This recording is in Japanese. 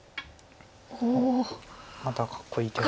おおかっこいい手が。